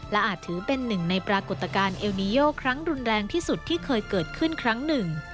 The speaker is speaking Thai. และอาจถือเป็นหนึ่งในปรากฏการณ์เอลนิโยครั้งรุนแรงที่สุดที่เคยเกิดขึ้นครั้งหนึ่ง